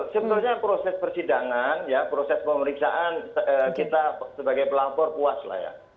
sebetulnya proses persidangan ya proses pemeriksaan kita sebagai pelapor puas lah ya